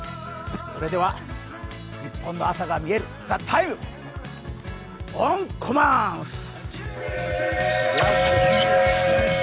それではニッポンの朝がみえる「ＴＨＥＴＩＭＥ，」オン・コマース！